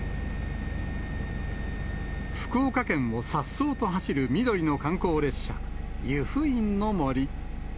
福岡県をさっそうと走る緑の観光列車、ゆふいんの森。